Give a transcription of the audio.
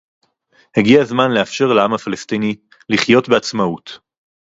הגיע הזמן לאפשר לעם הפלסטיני לחיות בעצמאות